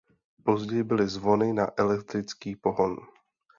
Později byly zvony na elektrický pohon.